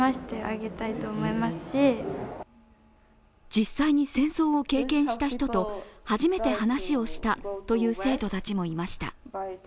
実際に戦争を経験した人と初めて話をしたという生徒たちもいました。